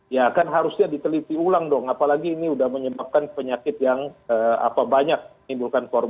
ya kan harusnya diteliti ulang dong apalagi ini sudah menyebabkan penyakit yang banyak menimbulkan korban